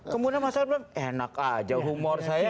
kemudian masyarakat bilang enak aja humor saya